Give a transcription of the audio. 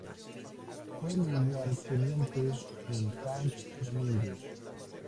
Fue lugarteniente en Saint-Domingue.